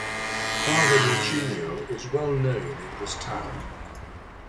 Father Lucinio is well known in this town.